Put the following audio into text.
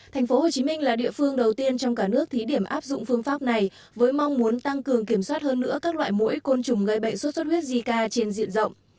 tp hcm là địa phương đầu tiên trong cả nước thí điểm áp dụng phương pháp này với mong muốn tăng cường kiểm soát hơn nữa các loại mũi côn trùng gây bệnh sốt sốt huyết zika trên diện rộng